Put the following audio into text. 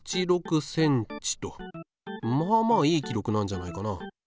まあまあいい記録なんじゃないかな。